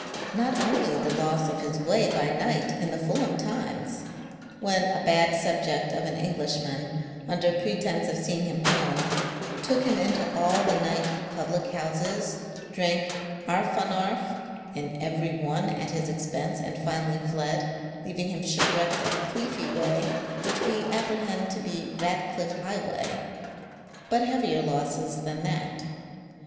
Not only the loss of his way by night in theFulham times — when a bad subject of an Englishman, under pretence of seeing him home, took him into all the night public houses, drank "arfanarf" in every one at his expense, and finally fled, leaving him shipwrecked at Cleefeeway, which we apprehend to be Ratcliffe Highway — but heavier losses thau that.